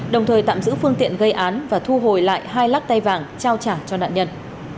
đồng thời tạm giữ phương tiện gây án và thu hồi lại hai lắc tay vàng trao trả cho nạn nhân